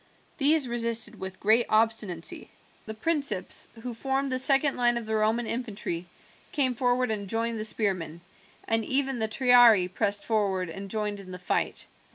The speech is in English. These resisted with great obstinacy. The principes, who formed the second line of the Roman infantry, came forward and joined the spearmen, and even the triarii pressed forward and joined in the fight.